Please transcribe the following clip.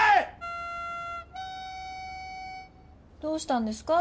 どうしたんですか？